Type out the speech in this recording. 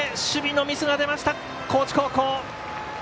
守備のミスが出ました、高知高校。